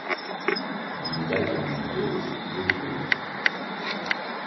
Die Seitenlinie ist durchgehend.